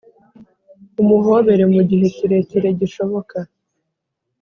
umuhobere mu gihe kirekire gishoboka